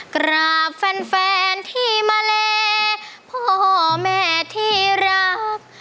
กราบแฟนที่มาแลพ่อแม่ที่รัก